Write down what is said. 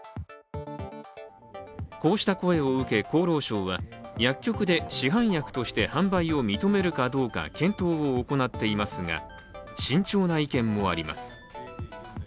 こうした声を受け、厚労省は薬局で市販薬として販売を認めるかどうか検討を行っていますが、慎重な意見もあります。